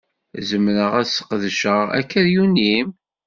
Zemreɣ ad ssqedceɣ akeryun-im?